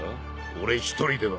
俺一人では。